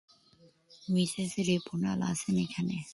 Mrs রেপলার আছেন এখানে।